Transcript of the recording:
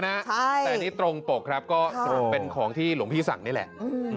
แต่นี่ตรงปกครับก็เป็นของที่หลวงพี่สั่งนี่แหละ